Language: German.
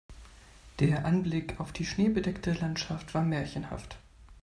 Der Anblick auf die schneebedeckte Landschaft war märchenhaft.